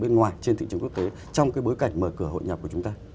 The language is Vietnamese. bên ngoài trên thị trường quốc tế trong cái bối cảnh mở cửa hội nhập của chúng ta